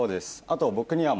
あと僕には。